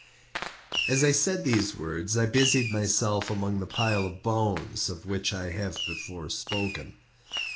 As I said these words I busied myself among the pile of bones of which I have before spoken.